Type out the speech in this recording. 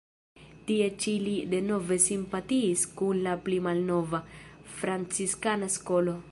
Tie ĉi li denove simpatiis kun la pli malnova, franciskana skolo.